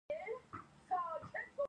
آیا دوی له دې ګټو څخه نور خلک محروموي؟